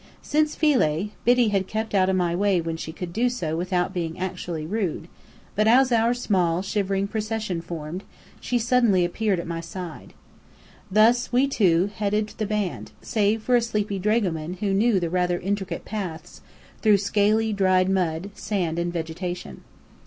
Since Philae, Biddy had kept out of my way when she could do so without being actually rude; but as our small, shivering procession formed, she suddenly appeared at my side. Thus we two headed the band, save for a sleepy dragoman who knew the rather intricate paths through scaly dried mud, sand, and vegetation.